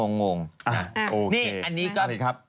โอเคนี่อันนี้ก็